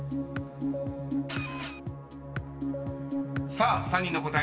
［さあ３人の答え